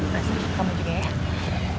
masih kamu juga ya